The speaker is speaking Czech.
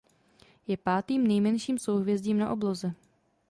Je pátým nejmenším souhvězdím na obloze.